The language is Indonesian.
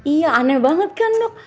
iya aneh banget kan dok